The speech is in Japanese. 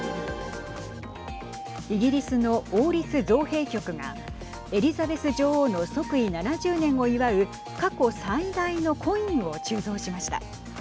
イギリスの王立造幣局がエリザベス女王の即位７０年を祝う過去最大のコインを鋳造しました。